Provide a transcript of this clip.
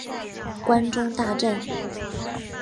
关中大震。